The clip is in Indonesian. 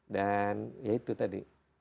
dan ya itu tadi